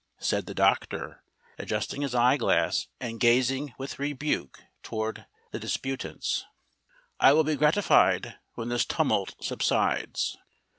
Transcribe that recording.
Said the doctor, adjusting his eye glass and gazing with rebuke toward the disputants: "I will be gratified when this tumult subsides."